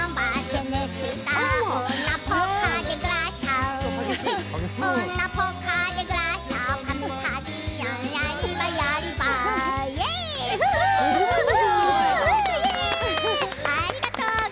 ありがとう。